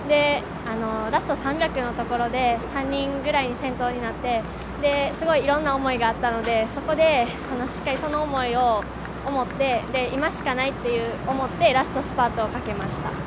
ラスト３００ｍのところで３人ぐらい先頭になってすごいいろんな思いがあったのでそこでしっかりその思いを思って今しかないと思ってラストスパートをかけました。